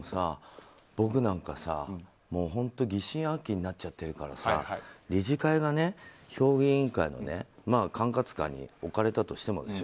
僕なんか、本当疑心暗鬼になっちゃってるからさ理事会がね、評議員会の管轄下に置かれたとしてもですよ。